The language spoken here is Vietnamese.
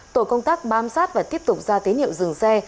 tổ công tác bám sát và tiếp tục ra tế nhiệm dừng xe